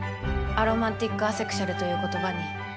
アロマンティック・アセクシュアルという言葉に。